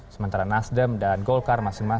sementara nasdem dan golkar masih menang